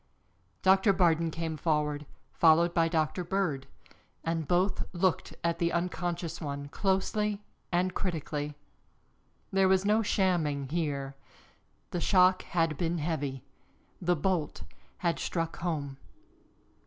Doctor Bardon came forward, followed by Doctor Bird, and both looked at the unconscious one closely and critically. There was no shamming here the shock had been heavy the bolt had struck home.